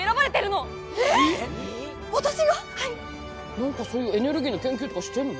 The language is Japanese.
何かそういうエネルギーの研究とかしてるの？